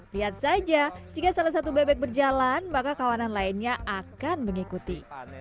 lihat saja jika salah satu bebek berjalan maka kawanan lainnya akan mengikuti